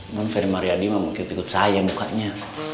memang ferry mariadi mah mungkin ikut saya mukanya